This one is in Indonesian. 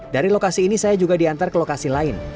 dari lokasi ini saya juga diantar ke lokasi lain